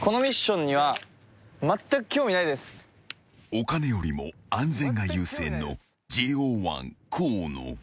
［お金よりも安全が優先のＪＯ１河野］